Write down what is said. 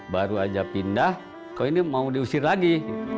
baru aja pindah kok ini mau diusir lagi